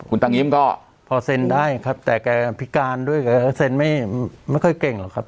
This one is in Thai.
คุณตังยิ้มก็พอเซ็นได้ครับแต่แกพิการด้วยแกก็เซ็นไม่ค่อยเก่งหรอกครับ